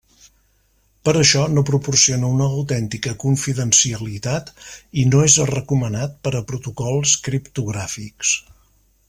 Per això, no proporciona una autèntica confidencialitat i no és recomanat per a protocols criptogràfics.